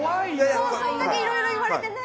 こんだけいろいろ言われてね。